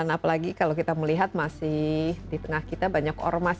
apalagi kalau kita melihat masih di tengah kita banyak ormas